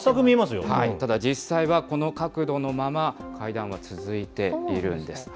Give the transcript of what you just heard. ただ実際はこの角度のまま、階段は続いているんです。